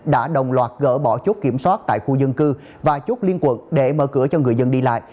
đã đồng loạt gỡ bỏ chốt kiểm soát tại khu dân cư và chốt liên quận để mở cửa cho người dân đi lại